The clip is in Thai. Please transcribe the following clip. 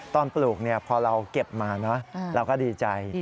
ปลูกพอเราเก็บมาเราก็ดีใจ